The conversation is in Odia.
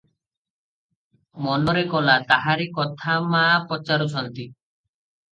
ମନରେ କଲା, ତାହାରି କଥା ମା ପଚାରୁଛନ୍ତି ।